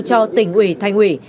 cho tỉnh ủy thành ủy